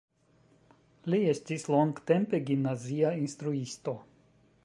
Li estis longtempe gimnazia instruisto.